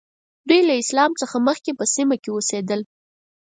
دوی له اسلام څخه مخکې په سیمه کې اوسېدل.